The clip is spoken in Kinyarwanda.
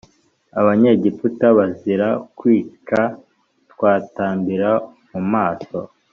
Abanyegiputa bazira kwica Twatambira mu maso